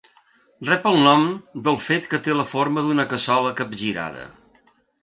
Rep el nom del fet que té la forma d'una cassola capgirada.